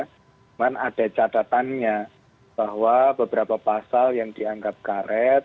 cuman ada catatannya bahwa beberapa pasal yang dianggap karet